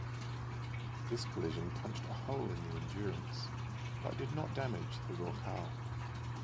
This collision punched a hole in the "Endurance" but did not damage the "Rorqual".